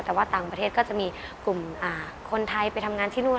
แต่ว่าต่างประเทศก็จะมีกลุ่มคนไทยไปทำงานที่นู่น